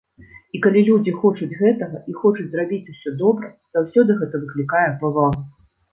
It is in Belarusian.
І калі людзі хочуць гэтага і хочуць зрабіць усё добра, заўсёды гэта выклікае павагу.